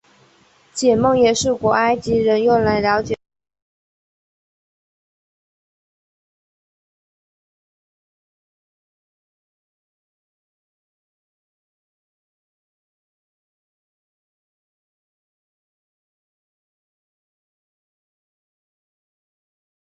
玛瑙山之战爆发于崇祯十二年玛瑙山。